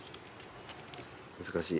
難しい。